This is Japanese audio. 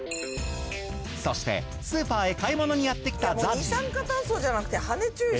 そしてスーパーへ買い物にやってきたＺＡＺＹ。